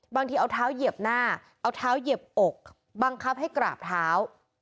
บางทีเอาเท้าเหยียบหน้าเอาเท้าเหยียบอกบังคับให้กราบเท้า